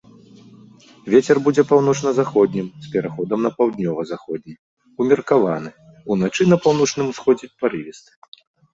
Вецер будзе паўночна-заходнім з пераходам на паўднёва-заходні, умеркаваны, уначы на паўночным усходзе парывісты.